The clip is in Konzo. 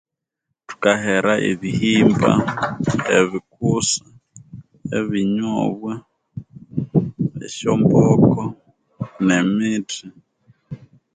Thukahera ebihimba ebikusa ebinyobwa esyo mboko me mithi